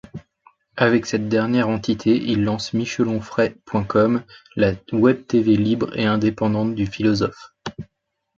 Avec cette dernière entité, il lance Michelonfray.com la web-tv libre et indépendante du philosophe.